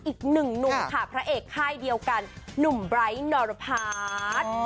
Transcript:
อีกหนึ่งหนุ่มค่ะพระเอกค่ายเดียวกันหนุ่มไบร์ทนรพัฒน์